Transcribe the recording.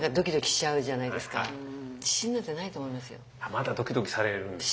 まだドキドキされるんですか。